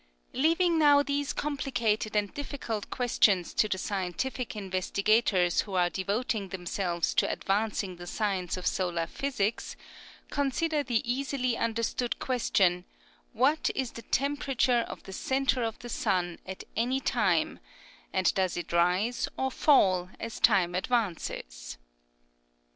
'' Leaving now these complicated and difficult questions to the scientific investigators who are devoting themselves to advancing the science of solar physics, consider the easily understood question, What is the temperature of the centre of the sun at any time, and does it rise or fall as time advances